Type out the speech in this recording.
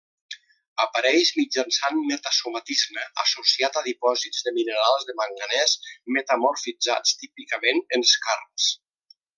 Apareix mitjançant metasomatisme associat a dipòsits de minerals de manganès metamorfitzats, típicament en skarns.